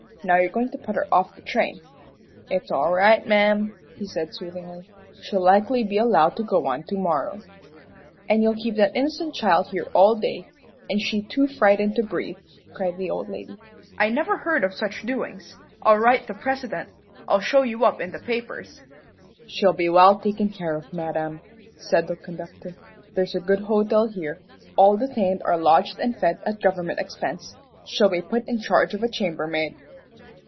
Now you're going to put her off the train." "It's all right, ma'am," he said, soothingly, "she'll likely be allowed to go on to morrow." "And you'll keep that innocent child here all day, and she too frightened to breathe?" cried the old lady. "I never heard of such doings. I'll write the President! I'll show you up in the papers!" "She'll be well taken care of, madam," said the conductor. "There's a good hotel here. All detained are lodged and fed at government expense. She'll be put in charge of a chambermaid."